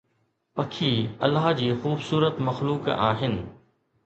پکي الله جي خوبصورت مخلوق آهن